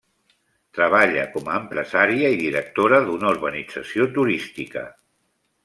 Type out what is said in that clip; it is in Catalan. Treballa com a empresària i directora d'una urbanització turística.